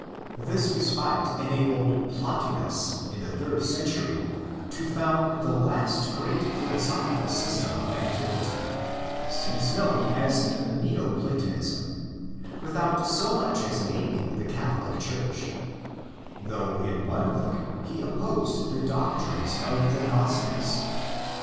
This respite enabled Plotinus, in the third century, to found the last great philosophical system of antiquity, since known as Neo Platonism, without so much as naming the Catholic Church; though in one book he opposed the doctrines of the Gnostics.